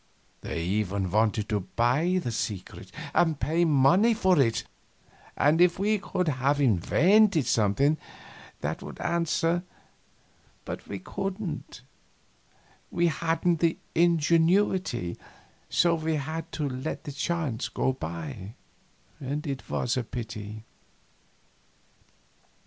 They even wanted to buy the secret, and pay money for it; and if we could have invented something that would answer but we couldn't; we hadn't the ingenuity, so we had to let the chance go by, and it was a pity.